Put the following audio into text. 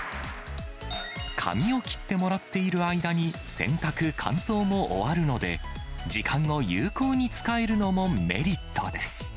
髪を切ってもらっている間に、洗濯・乾燥も終わるので、時間を有効に使えるのもメリットです。